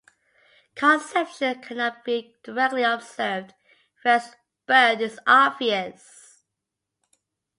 Conception cannot be directly observed, whereas birth is obvious.